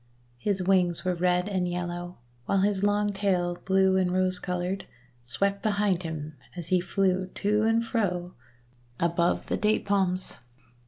His wings were red and yellow, while his long tail, blue and rose coloured, swept behind him as he flew to and fro above the Date palms.